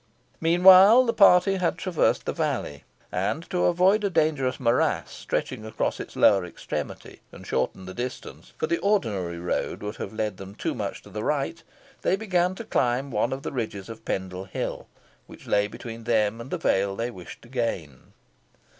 Meanwhile the party had traversed the valley, and to avoid a dangerous morass stretching across its lower extremity, and shorten the distance for the ordinary road would have led them too much to the right they began to climb one of the ridges of Pendle Hill, which lay between them and the vale they wished to gain.